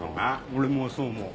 俺もそう思う。